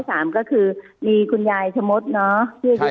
เป็นที่๓ก็คือมีคุณยายชมศเนาะ